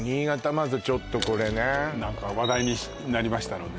まずちょっとこれね何か話題になりましたのでね